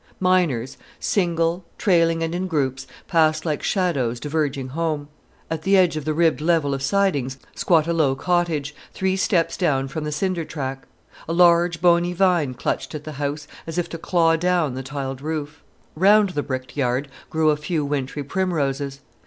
Miners, single, trailing and in groups, passed like shadows diverging home. At the edge of the ribbed level of sidings squat a low cottage, three steps down from the cinder track. A large bony vine clutched at the house, as if to claw down the tiled roof. Round the bricked yard grew a few wintry primroses.